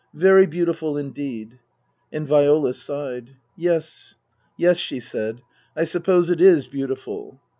Very beautiful indeed." And Viola sighed. " Yes. Yes," she said. " I suppose it is beautiful."